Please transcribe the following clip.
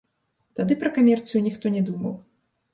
Тады пра камерцыю ніхто не думаў.